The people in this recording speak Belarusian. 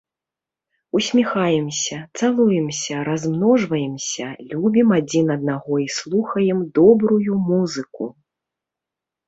Усміхаемся, цалуемся, размножваемся, любім адзін аднаго і слухаем добрую музыку!